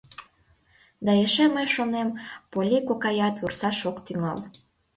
Да эше мый шонем, Полли кокаят вурсаш ок тӱҥал.